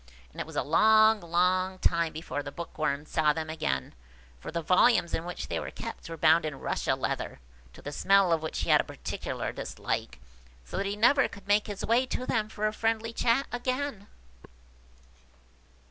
And it was a long, long time before the Bookworm saw them again; for the volumes in which they were kept were bound in Russia leather, to the smell of which he had a particular dislike, so that he never could make his way to them for a friendly chat again.